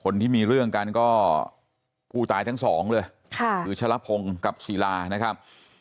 คนที่มีเรื่องกันก็ผู้ตายทั้งสองเลยค่ะคือชะละพงศ์กับศิลานะครับ